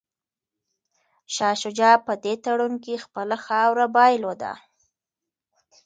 شاه شجاع په دې تړون کي خپله خاوره بایلوده.